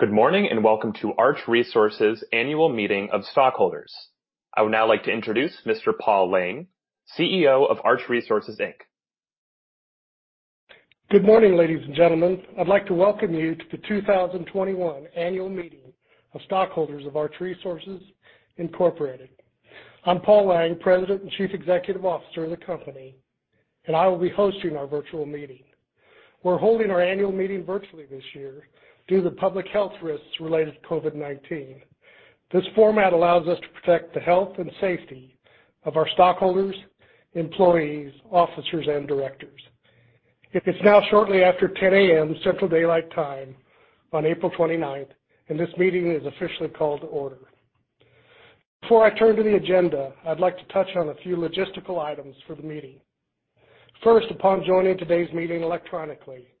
Good morning, and welcome to Arch Resources' annual meeting of stockholders. I would now like to introduce Mr. Paul Lang, CEO of Arch Resources, Inc. Good morning, ladies and gentlemen. I'd like to welcome you to the 2021 annual meeting of stockholders of Arch Resources, Incorporated. I'm Paul A. Lang, President and Chief Executive Officer of the company, and I will be hosting our virtual meeting. We're holding our annual meeting virtually this year due to public health risks related to COVID-19. This format allows us to protect the health and safety of our stockholders, employees, officers, and directors. It is now shortly after 10:00 A.M. Central Daylight Time on April 29th, and this meeting is officially called to order. Before I turn to the agenda, I'd like to touch on a few logistical items for the meeting. First, upon joining today's meeting electronically,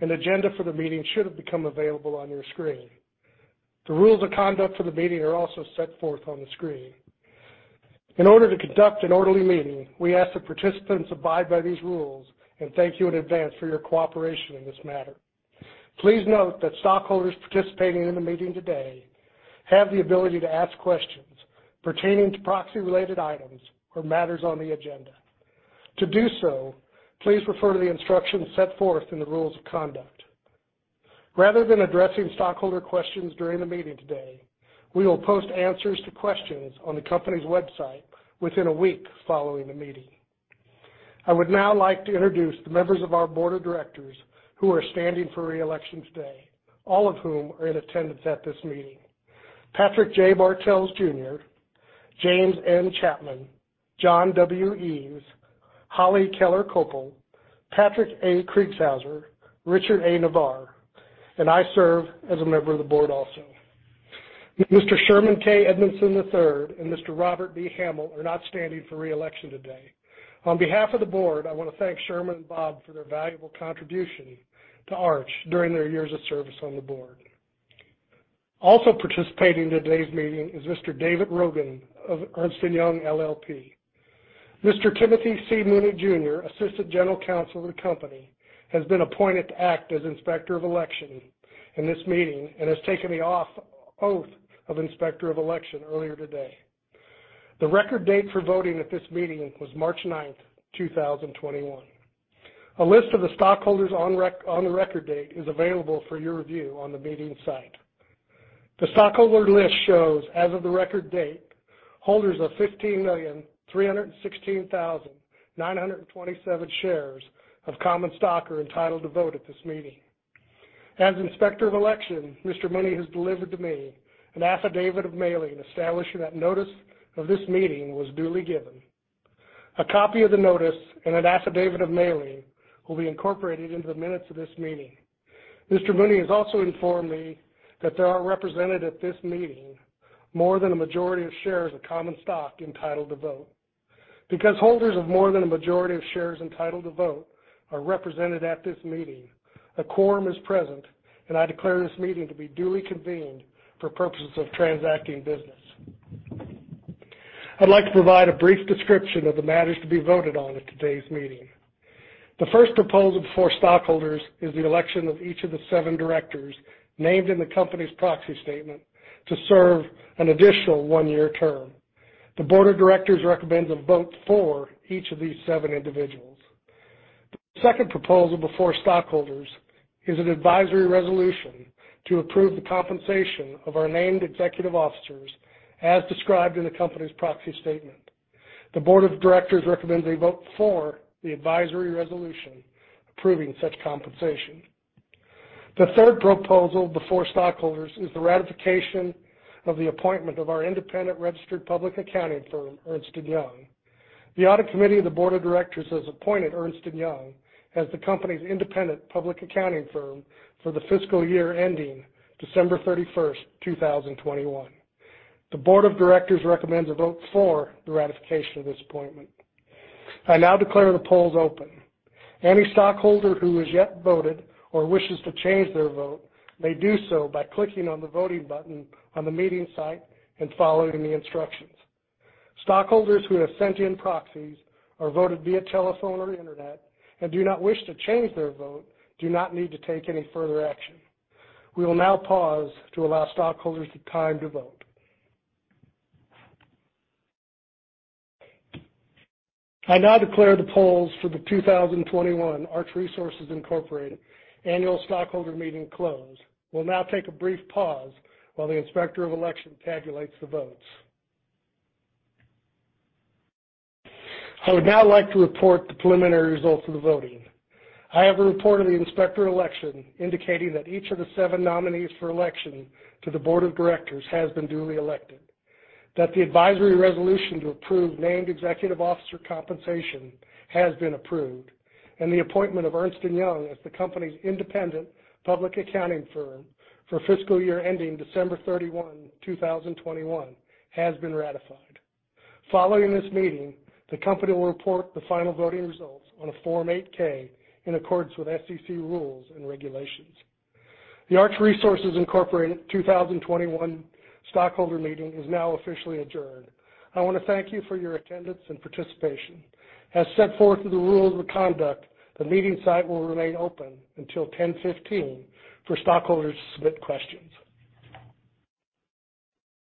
an agenda for the meeting should have become available on your screen. The rules of conduct for the meeting are also set forth on the screen. In order to conduct an orderly meeting, we ask that participants abide by these rules, and thank you in advance for your cooperation in this matter. Please note that stockholders participating in the meeting today have the ability to ask questions pertaining to proxy-related items or matters on the agenda. To do so, please refer to the instructions set forth in the rules of conduct. Rather than addressing stockholder questions during the meeting today, we will post answers to questions on the company's website within a week following the meeting. I would now like to introduce the members of our board of directors who are standing for re-election today, all of whom are in attendance at this meeting. Patrick J. Bartels, Jr., James N. Chapman, John W. Eaves, Holly Keller Koeppel, Patrick A. Kriegshauser, Richard A. Navarre, and I serve as a member of the board also. Mr. Sherman K. Edmiston III and Mr. Robert G. Hamel are not standing for re-election today. On behalf of the board, I want to thank Sherman and Bob for their valuable contribution to Arch during their years of service on the board. Also participating in today's meeting is Mr. David Rogan of Ernst & Young LLP. Mr. Timothy C. Mooney Jr., Assistant General Counsel of the company, has been appointed to act as Inspector of Election in this meeting and has taken the oath of Inspector of Election earlier today. The record date for voting at this meeting was March 9th, 2021. A list of the stockholders on the record date is available for your review on the meeting site. The stockholder list shows, as of the record date, holders of 15,316,927 shares of common stock are entitled to vote at this meeting. As Inspector of Election, Mr. Mooney has delivered to me an affidavit of mailing establishing that notice of this meeting was duly given. A copy of the notice and an affidavit of mailing will be incorporated into the minutes of this meeting. Mr. Mooney has also informed me that there are represented at this meeting more than a majority of shares of common stock entitled to vote. Because holders of more than a majority of shares entitled to vote are represented at this meeting, a quorum is present, and I declare this meeting to be duly convened for purposes of transacting business. I'd like to provide a brief description of the matters to be voted on at today's meeting. The first proposal before stockholders is the election of each of the seven directors named in the company's proxy statement to serve an additional one-year term. The board of directors recommends a vote for each of these seven individuals. The second proposal before stockholders is an advisory resolution to approve the compensation of our named executive officers as described in the company's proxy statement. The board of directors recommends a vote for the advisory resolution approving such compensation. The third proposal before stockholders is the ratification of the appointment of our independent registered public accounting firm, Ernst & Young. The audit committee of the board of directors has appointed Ernst & Young as the company's independent public accounting firm for the fiscal year ending December 31st, 2021. The board of directors recommends a vote for the ratification of this appointment. I now declare the polls open. Any stockholder who has yet voted or wishes to change their vote may do so by clicking on the voting button on the meeting site and following the instructions. Stockholders who have sent in proxies or voted via telephone or Internet and do not wish to change their vote do not need to take any further action. We will now pause to allow stockholders the time to vote. I now declare the polls for the 2021 Arch Resources Incorporated annual stockholder meeting closed. We'll now take a brief pause while the Inspector of Election tabulates the votes. I would now like to report the preliminary results of the voting. I have a report of the Inspector of Election indicating that each of the seven nominees for election to the board of directors has been duly elected, that the advisory resolution to approve named executive officer compensation has been approved, and the appointment of Ernst & Young as the company's independent public accounting firm for fiscal year ending December 31, 2021, has been ratified. Following this meeting, the company will report the final voting results on a Form 8-K in accordance with SEC rules and regulations. The Arch Resources Incorporated 2021 stockholder meeting is now officially adjourned. I want to thank you for your attendance and participation. As set forth in the rules of conduct, the meeting site will remain open until 10:15 A.M., for stockholders to submit questions.